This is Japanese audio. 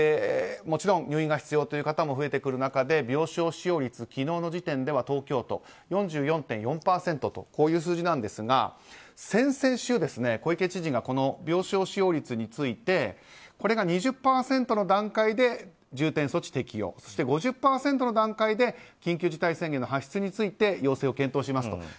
もちろん入院が必要という方も増えてくる中で病床使用率、昨日時点では東京都、４４．４％というこういう数字なんですが、先々週小池知事がこの病床使用率についてこれが２０％の段階で重点措置適用そして５０％の段階で緊急事態宣言の発出について要請を検討しますと。